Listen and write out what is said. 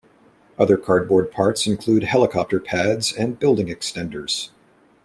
Other cardboard parts include helicopter pads and "building extenders".